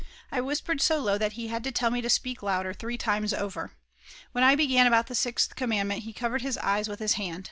I whispered so low that he had to tell me to speak louder three times over. When I began about the sixth commandment he covered his eyes with his hand.